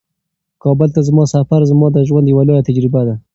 کابل ته زما سفر زما د ژوند یوه لویه تجربه وه.